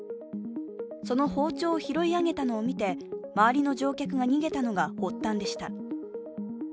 その包丁を拾い上げたのを見て周りの乗客が逃げたのが発端でした。